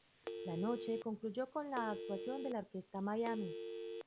La noche concluyó con la actuación de la Orquesta "Miami".